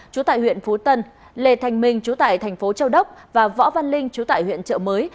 trú tại huyện phú tân lê thành minh trú tại thành phố châu đốc và võ văn linh trú tại huyện chợ mới